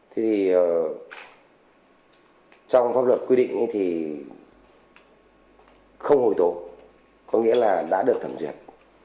thì trong pháp luật quy định thì không hồi tố có nghĩa là đã được thẩm duyệt